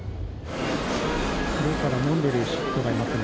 昼から飲んでる人がいますね。